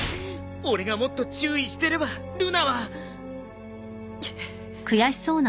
俺がもっと注意してればルナは。くっ。